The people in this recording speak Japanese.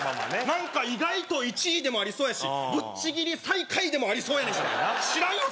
何か意外と１位でもありそうやしぶっちぎり最下位でもありそうやねんから知らんよ